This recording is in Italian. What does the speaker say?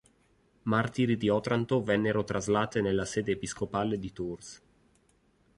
Martiri di Otranto vennero traslate nella sede episcopale di Tours.